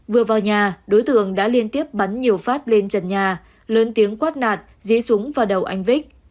vừa vào nhà đối tượng đã liên tiếp bắn nhiều phát lên trần nhà lớn tiếng quát nạn dí súng vào đầu anh vích